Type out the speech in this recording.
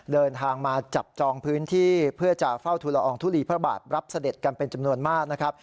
เดินทางมาจับจองพื้นที่เพื่อจะเฝ้าทุลอองทุลีพระบาทรับเสด็จกันเป็นจำนวนมากนะครับ